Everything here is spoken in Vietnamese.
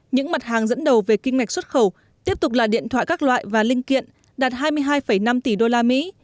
những mặt hàng dẫn đầu về kim ngạch xuất khẩu tiếp tục là điện thoại các loại và linh kiện đạt hai mươi hai năm tỷ đô la mỹ